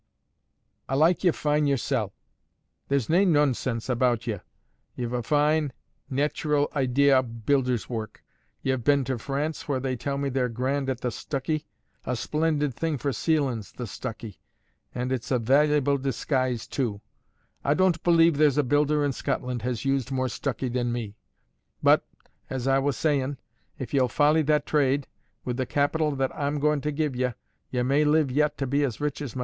A like ye fine yoursel'; there's nae noansense aboot ye; ye've a fine nayteral idee of builder's work; ye've been to France, where they tell me they're grand at the stuccy. A splendid thing for ceilin's, the stuccy! and it's a vailyable disguise, too; A don't believe there's a builder in Scotland has used more stuccy than me. But as A was sayin', if ye'll follie that trade, with the capital that A'm goin' to give ye, ye may live yet to be as rich as mysel'.